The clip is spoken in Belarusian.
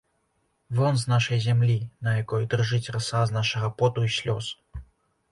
Вон з нашай зямлі, на якой дрыжыць раса з нашага поту і слёз!